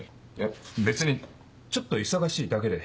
別にちょっと忙しいだけで。